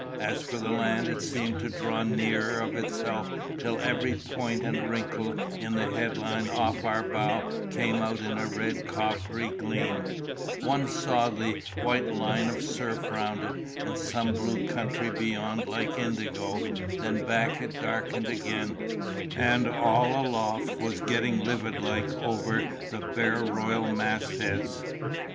As for the land, it seemed to draw nearer of itself, till every point and wrinkle in the headland off our bow came out in a red coppery gleam—one saw the white line of surf round it, and some blue country beyond like indigo; then back it darkened again, and all aloft was getting livid like over the bare royal mast heads.